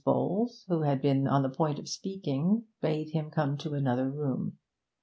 Bowles, who had been on the point of speaking, bade him come to another room.